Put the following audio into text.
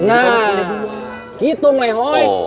nah gitu mehoi